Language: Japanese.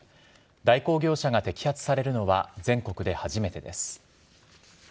代行業者が摘発されるのは、全国で初めてです。